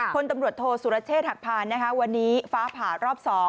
พลตำรวจโทษสุรเชษฐ์หักพานวันนี้ฟ้าผ่ารอบ๒